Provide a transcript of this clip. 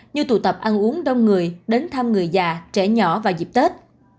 như tụ tập ăn uống đông người đến thăm người già trẻ nhỏ vào dịp tết